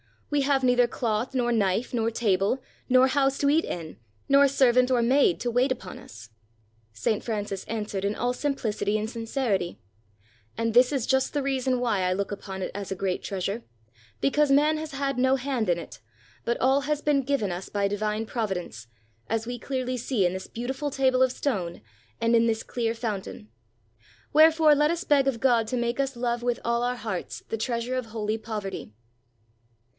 We have neither cloth, nor knife, nor table, nor house to eat in, nor servant or maid to wait upon us." St. Francis answered in all simphcity and sincerity, "And this is just the reason why 1 look upon it as a great treas ure, because man has had no hand in it, but all has been given us by Divine Providence, as we clearly see in this beautiful table of stone, and in this clear fountain. Wherefore let us beg of God to make us love with all our hearts the treasure of holy poverty."